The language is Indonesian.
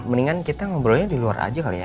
mendingan kita ngobrolnya di luar aja kali ya